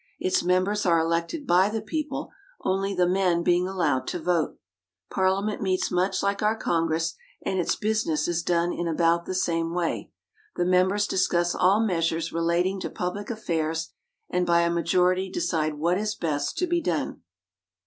Its members are elected by the people, only the men being allowed to vote. Parlia ment meets much like our Congress, and its business is done in about the same way. The members discuss all measures relating to public affairs, and by a majority decide what is best to be done.